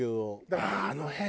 だからあの辺